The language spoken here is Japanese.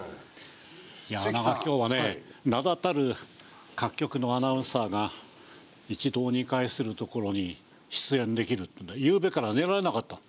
いやあ今日はね名だたる各局のアナウンサーが一堂に会するところに出演できるっていうのでゆうべから寝られなかったの。